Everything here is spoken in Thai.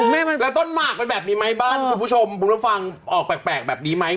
แล้วต้นหมากเป็นแบบนี้ไหมบ้านคุณผู้ชมคุณรับฟังออกแปลกแบบนี้ไหม